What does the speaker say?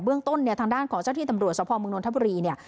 ต้นเนี่ยทางด้านของเจ้าที่ตำรวจสภเมืองนทบุรีเนี่ย